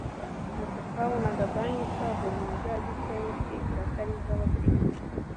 Ati “Twabonaga banki twaviye mu mujyi wa Gisenyi tukibwira ko ari iz’abasirimu